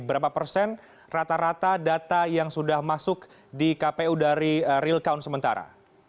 berapa persen rata rata data yang sudah masuk di kpu dari real count sementara